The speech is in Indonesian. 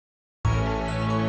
untuk menjelaskan yang terang